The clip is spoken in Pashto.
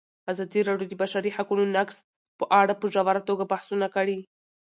ازادي راډیو د د بشري حقونو نقض په اړه په ژوره توګه بحثونه کړي.